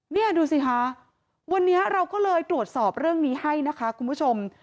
นี่ดูสิคะวันนี้เราก็เลยตรวจสอบเรื่องนี้ให้นะคะคุณผู้ชม